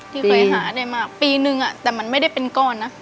ที่เคยหาได้มากปีนึงแต่มันไม่ได้เป็นก้อนนะ